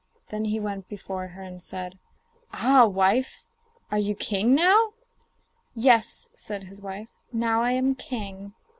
Then he went before her and said: 'Ah, wife! are you king now?' 'Yes,' said his wife; 'now I am king.